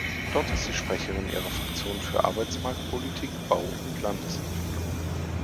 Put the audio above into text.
Dort ist sie Sprecherin ihrer Fraktion für Arbeitsmarktpolitik, Bau und Landesentwicklung.